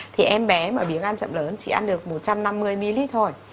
thì em bé mà biến ăn chậm lớn chỉ ăn được một trăm năm mươi ml thôi